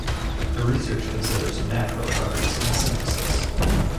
Her research considers natural products and synthesis.